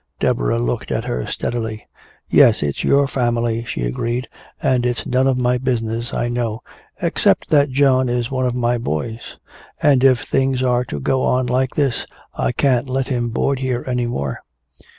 Deborah looked at her steadily. "Yes, it's your family," she agreed. "And it's none of my business, I know except that John is one of my boys and if things are to go on like this I can't let him board here any more.